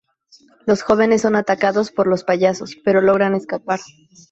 Los jóvenes son atacados por los payasos, pero logran escapar.